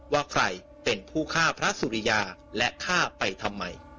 ว่าใครเป็นผู้ฆ่าพระสุริยาและฆ่าไปทำไม